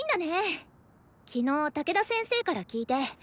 昨日武田先生から聞いて。